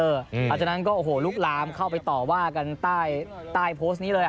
หลังจากนั้นก็โอ้โหลุกลามเข้าไปต่อว่ากันใต้โพสต์นี้เลย